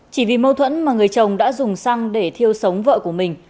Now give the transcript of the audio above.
chỉ vì mâu thuẫn mà người chồng đã dùng xăng để thiêu sống vợ của mình